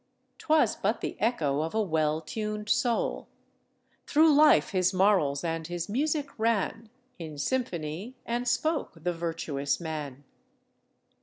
'Twas but the echo of a well tuned soul; Through life his morals and his music ran In symphony, and spoke the virtuous man.